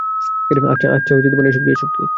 আচ্ছা --- এসব কী?